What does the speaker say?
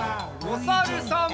おさるさん。